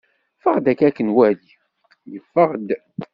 ffeɣ-d akka ad k-nwali! Yeffeɣ-d.